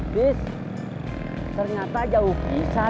bis ternyata jauh pisahnya